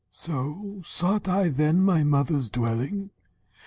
"So sought I then my mother's dwelling.